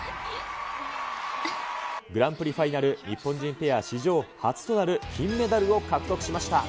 グランプリファイナル日本人ペア史上初となる金メダルを獲得しま